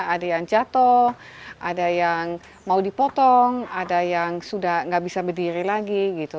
ada yang jatuh ada yang mau dipotong ada yang sudah nggak bisa berdiri lagi gitu